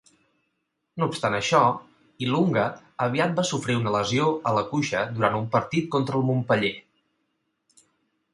No obstant això, Ilunga aviat va sofrir una lesió a la cuixa durant un partit contra el Montpeller.